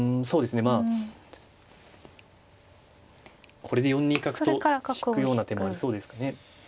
まあこれで４二角と引くような手もありそうですかね。